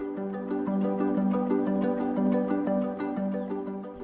hidup percaya dan percaya